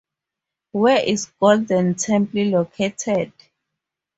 Where is Golden Temple located?